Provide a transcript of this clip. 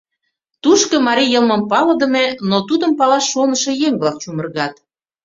— Тушко марий йылмым палыдыме, но тудым палаш шонышо еҥ-влак чумыргат.